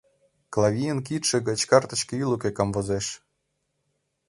Клавийын кидше гыч картычке ӱлыкӧ камвозеш.